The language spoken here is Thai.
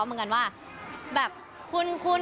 ใช่แต่ว่าไม่โปรโมชั่นค่ะ